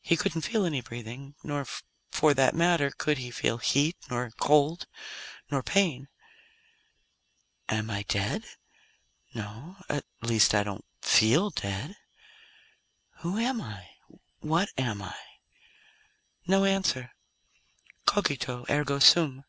He couldn't feel any breathing. Nor, for that matter, could he feel heat, nor cold, nor pain. "Am I dead? No. At least, I don't feel dead. Who am I? What am I?" No answer. _Cogito, ergo sum.